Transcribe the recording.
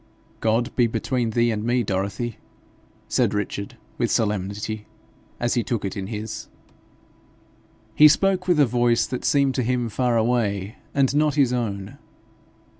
'God be between thee and me, Dorothy!' said Richard, with solemnity, as he took it in his. He spoke with a voice that seemed to him far away and not his own.